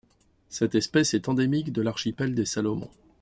Cette espèce est endémique de l'archipel des Salomon.